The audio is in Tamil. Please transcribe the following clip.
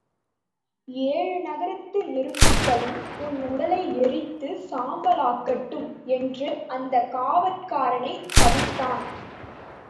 ஏழு நரகத்து நெருப்புகளும் உன் உடலை எரித்துச் சாம்பலாக்கட்டும்! என்று அந்தக் காவற்காரனைச் சபித்தான்!